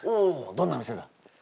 どんな店だ？